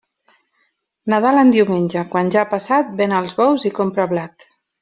Nadal en diumenge, quan ja ha passat, ven els bous i compra blat.